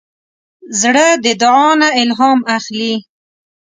زړه د دعا نه الهام اخلي.